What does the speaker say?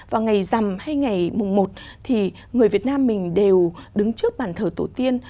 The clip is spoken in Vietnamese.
vào ngày rằm hay ngày mùng một thì người việt nam mình đều đứng trước bàn thờ tổ tiên